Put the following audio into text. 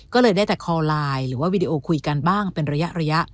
ก็เลยได้แต่คอลไลน์หรือว่าวีดีโอคุยกันบ้างเป็นระยะ